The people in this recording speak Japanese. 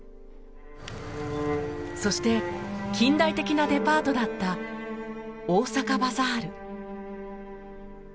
そして近代的なデパートだったオオサカバザール。